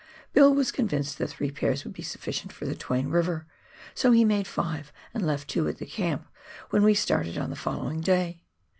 Bill was convinced that three pairs would be suflBcient for the Twain River, so he made five, and left two at the camp when we started on the following day.